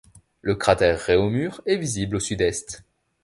Le cratère Réaumur est visible au sud-est.